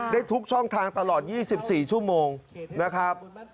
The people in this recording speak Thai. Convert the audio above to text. ได้ทุกช่องทางตลอด๒๔ชั่วโมงนะครับ